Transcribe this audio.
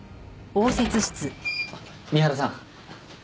三原さん。